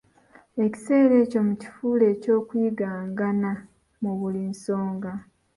Ekiseera ekyo mukifuule eky'okuyigangana mu buli nsonga.